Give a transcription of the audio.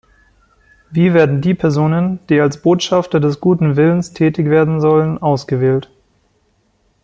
Wie werden die Personen, die als „Botschafter des guten Willens“ tätig werden sollen, ausgewählt?